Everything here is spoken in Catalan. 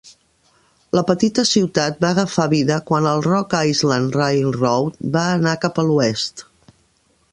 La petita ciutat va agafar vida quan el Rock Island Railroad va anar cap a l"oest.